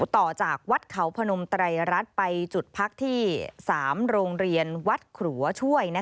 ต่อจากวัดเขาพนมไตรรัฐไปจุดพักที่๓โรงเรียนวัดขรัวช่วย